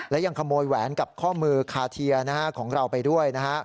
และยังขโมยแหวนกับข้อมือคาเทียของเราไปด้วยนะฮะ